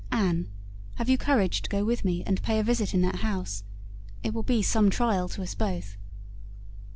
Anne, have you courage to go with me, and pay a visit in that house? It will be some trial to us both."